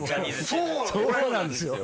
そうなんですよ